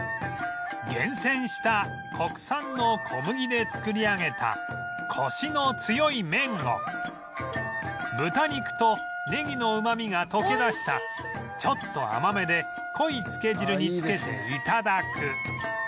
厳選した国産の小麦で作り上げたコシの強い麺を豚肉とねぎのうまみが溶け出したちょっと甘めで濃いつけ汁につけて頂く